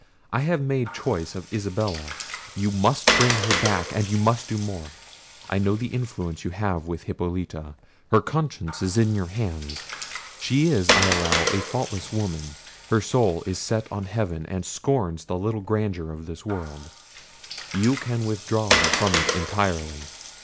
I have made choice of Isabella. You must bring her back; and you must do more. I know the influence you have with Hippolita: her conscience is in your hands. She is, I allow, a faultless woman: her soul is set on heaven, and scorns the little grandeur of this world: you can withdraw her from it entirely.